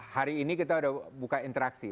hari ini kita sudah buka interaksi